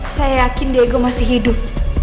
saya yakin diego masih hidup